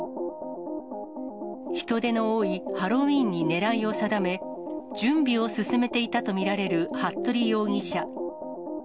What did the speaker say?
人出の多いハロウィーンに狙いを定め、準備を進めていたと見られる服部容疑者。